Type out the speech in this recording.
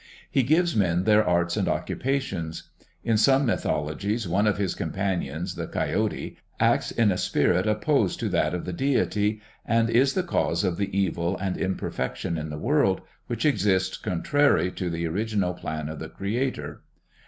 He gives men their arts and occupations. In some mythologies one of his companions, the Coyote, acts in a spirit opposed to that of the deity and is the cause of the evil and imperfection in the world, which exist contrary to the original plan of the creator.